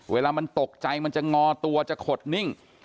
เวลามันตกใจมันจะงอตัวจะขดนิ่ง